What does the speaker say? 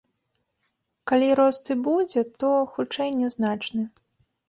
Калі рост і будзе, то, хутчэй, нязначны.